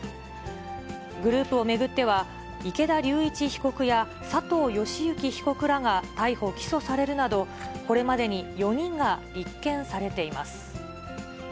グループを巡っては、池田龍一被告や、佐藤義行被告らが逮捕・起訴されるなど、これまでに４人が立件されています。